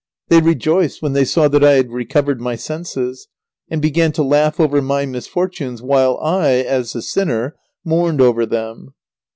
They rejoiced when they saw that I had recovered my senses, and began to laugh over my misfortunes while I, as the sinner, mourned over them.